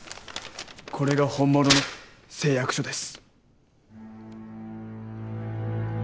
これが本物の誓約書です！